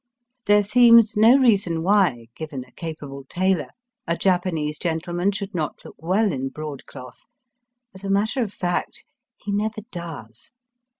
There seems no reason why, given a capable tailor, a Japanese gentleman should not look well in broadcloth. As a matter of fact, he never does.